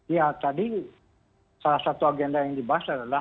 ya tadi salah satu agenda yang dibahas adalah